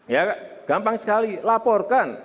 ya gampang sekali laporkan